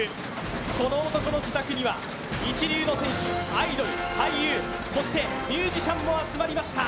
この男の自宅には一流の選手、アイドル、そしてミュージシャンも集まりました。